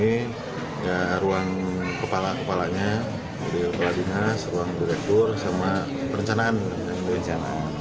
ini ruang kepala kepalanya ruang bidangnya ruang direktur dan perencanaan